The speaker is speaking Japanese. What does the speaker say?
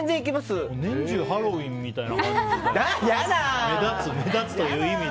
年中ハロウィーンみたいな嫌だ！